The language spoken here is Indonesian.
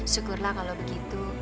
syukurlah kalau begitu